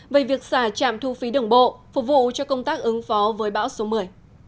về việc xả trạm thu phí đường bộ phục vụ cho công tác ứng phó với bão số một mươi